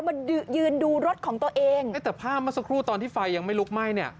มายืนยืนดูรถของตัวเองแต่ภาพเมื่อสักครู่ตอนที่ไฟยังไม่ลุกไหม้เนี่ย